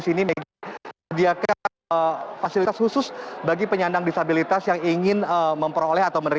ini juga menyediakan stok lima ratus dosis vaksin per hari